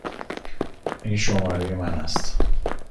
این شماره من است.